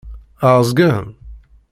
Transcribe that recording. Ɛeẓgen?